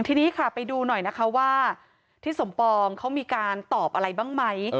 ทีนี้ค่ะไปดูหน่อยนะคะว่าทิศสมปองเขามีการตอบอะไรบ้างไหม